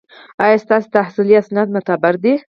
ایا ستاسو تحصیلي اسناد معتبر دي؟